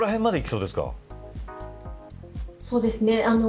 そうですね。